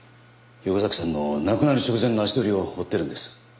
横崎さんの亡くなる直前の足取りを追ってるんです。